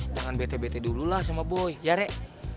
jangan bete bete dululah sama boy ya rek